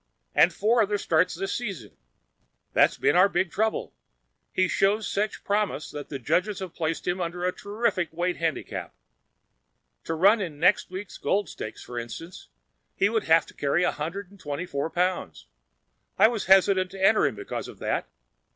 And four other starts this season. That's been our big trouble. He shows such promise that the judges have placed him under a terrific weight handicap. To run in next week's Gold Stakes, for instance, he would have to carry 124 pounds. I was hesitant to enter him because of that.